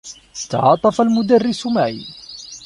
تعاطف المدرّس معي.